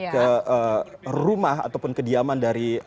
ke rumah ataupun kediaman dari